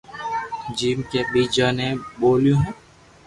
جيم ڪي ٻيجي بي ٻوليو ھي